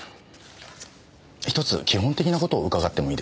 １つ基本的な事を伺ってもいいですか。